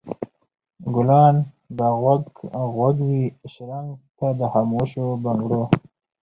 ګلان به غوږ غوږ وي شرنګا ته د خاموشو بنګړو